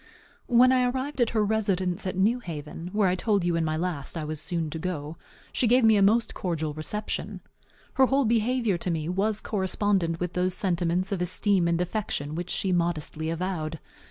When I arrived at her residence at New Haven, where I told you in my last I was soon to go, she gave me a most cordial reception. Her whole behavior to me was correspondent with those sentiments of esteem and affection which she modestly avowed.